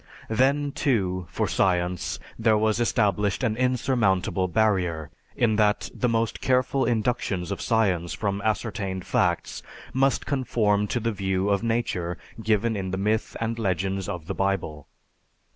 Then, too, for science there was established an insurmountable barrier, in that the most careful inductions of science from ascertained facts must conform to the view of nature given in the myth and legends of the Bible.